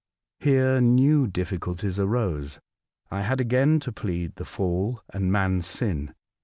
Here new difficulties arose, and I had again to plead the Fall and man's sin.